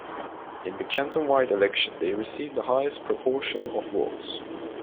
In the canton-wide election they received the highest proportion of votes.